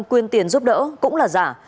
quyên tiền giúp đỡ cũng là giả